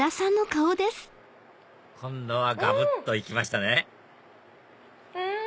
今度はがぶっといきましたねうん！